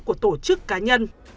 của tổ chức cá nhân